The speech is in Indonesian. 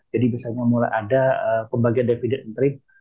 jadi biasanya mulai ada pembagian dividen interim